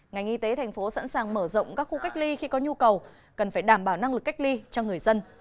ngành y tế thành phố sẵn sàng mở rộng các khu cách ly khi có nhu cầu cần phải đảm bảo năng lực cách ly cho người dân